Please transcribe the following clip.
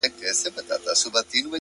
كبرجن وو ځان يې غوښـتى پــه دنـيـا كي،